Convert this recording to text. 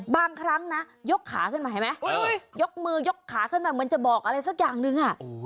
บางครั้งนะยกขาขึ้นมาเห็นไหมยกมือยกขาขึ้นมาเหมือนจะบอกอะไรสักอย่างหนึ่ง